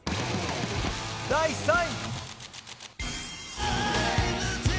第３位。